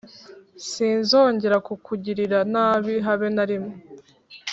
sinzongera kukugirira nabi habe narimwe